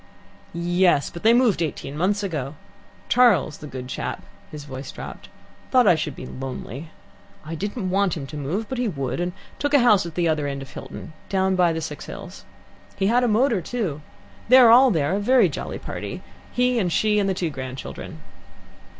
"Yes, but they moved eighteen months ago. Charles, the good chap" his voice dropped "thought I should be lonely. I didn't want him to move, but he would, and took a house at the other end of Hilton, down by the Six Hills. He had a motor, too. There they all are, a very jolly party he and she and the two grandchildren."